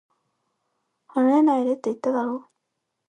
離れないでって、言っただろ